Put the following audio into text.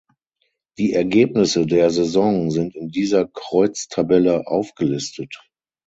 Die Ergebnisse der Saison sind in dieser Kreuztabelle aufgelistet.